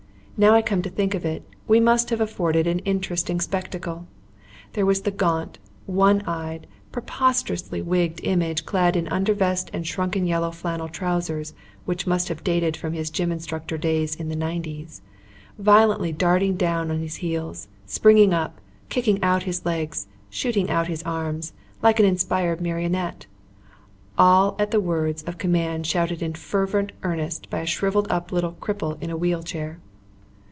Now I come to think of it, we must have afforded an interesting spectacle. There was the gaunt, one eyed, preposterously wigged image clad in undervest and shrunken yellow flannel trousers which must have dated from his gym instructor days in the nineties, violently darting down on his heels, springing up, kicking out his legs, shooting out his arms, like an inspired marionette, all at the words of command shouted in fervent earnest by a shrivelled up little cripple in a wheel chair.